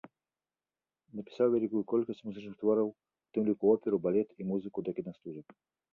Напісаў вялікую колькасць музычных твораў, у тым ліку оперу, балет, музыку да кінастужак.